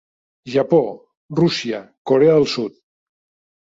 Japó, Russia, Corea del Sud.